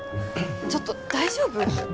ちょっと大丈夫？